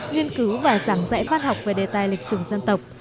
nghiên cứu và giảng dạy văn học về đề tài lịch sử dân tộc